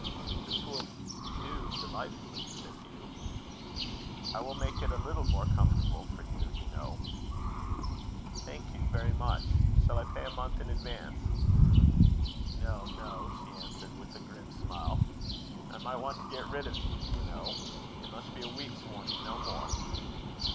"This will do delightfully," said Hugh. "I will make it a little more comfortable for you, you know." "Thank you very much. Shall I pay you a month in advance?" "No, no," she answered, with a grim smile. "I might want to get rid of you, you know. It must be a week's warning, no more."